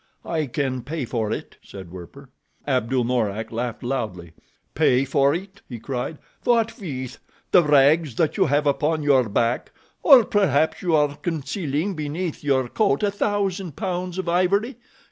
"I can pay for it," said Werper. Abdul Mourak laughed loudly. "Pay for it?" he cried. "What with—the rags that you have upon your back? Or, perhaps you are concealing beneath your coat a thousand pounds of ivory.